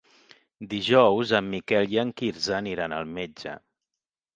Dijous en Miquel i en Quirze aniran al metge.